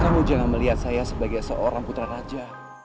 kamu jangan melihat saya sebagai seorang putra raja